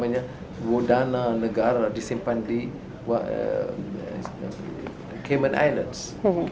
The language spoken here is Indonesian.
saya sudah menggunakan dua dana negara disimpan di cayman islands